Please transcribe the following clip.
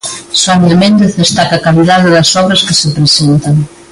Sonia Méndez destaca a calidade das obras que se presentan.